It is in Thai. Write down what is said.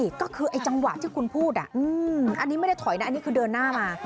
ใช่ก็คือไอ้จังหวะที่คุณพูดอันนี้ไม่ได้ถอยนะอันนี้คือเดินหน้ามา